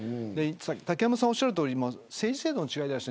竹山さんが、おっしゃるとおり政治制度の違いがあります。